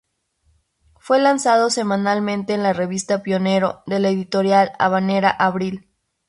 Fue lanzado semanalmente en la revista "Pionero", de la editorial habanera Abril.